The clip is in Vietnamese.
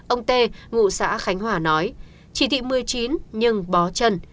ông tê ngụ xã khánh hòa nói chỉ thị một mươi chín nhưng bó chân